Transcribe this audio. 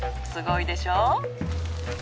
すごいでしょう？